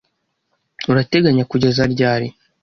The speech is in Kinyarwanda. Urateganya kugeza ryari?